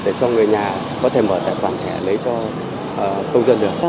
để cho người nhà có thể mở tài khoản thẻ lấy cho công dân được